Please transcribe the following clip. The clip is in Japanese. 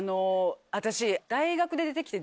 私。